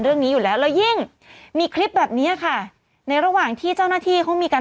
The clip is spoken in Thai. เรื่องนี้อยู่แล้วแล้วยิ่งมีคลิปแบบเนี้ยค่ะในระหว่างที่เจ้าหน้าที่เขามีการ